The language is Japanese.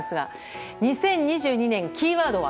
２０２２年、キーワードは？